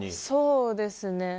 そうですね。